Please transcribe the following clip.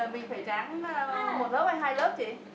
mì phải tráng một lớp hay hai lớp chị